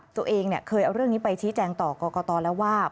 ตัวเองเคยเอาเรื่องนี้ไปชี้แจงต่อกรกตแล้วว่า